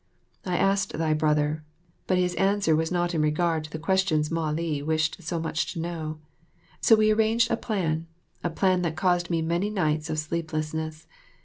I asked thy brother; but his answer was not in regard to the questions Mah li wished so much to know. So we arranged a plan a plan that caused me many nights of sleeplessness.